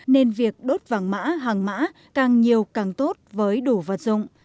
nên việc đốt vàng mã hàng mã càng nhiều càng tốt với đủ vật dụng